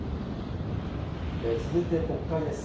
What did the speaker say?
続いて国会です。